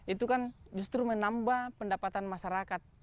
itu kan justru menambah pendapatan masyarakat